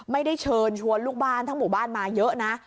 ไม่ได้เชิญชวนลูกบ้านทั้งหมู่บ้านมาเยอะนะ